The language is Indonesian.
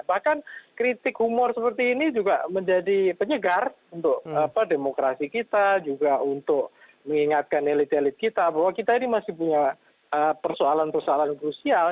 bahkan kritik humor seperti ini juga menjadi penyegar untuk demokrasi kita juga untuk mengingatkan elit elit kita bahwa kita ini masih punya persoalan persoalan krusial